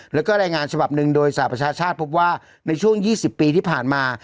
แล้วก็รายงานฉบับหนึ่งโดยสหประชาชาติพบว่าในช่วง๒๐ปีที่ผ่านมา